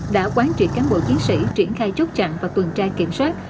đã quán trị cán bộ chiến sĩ triển khai chốt chặn và tuần tra kiểm soát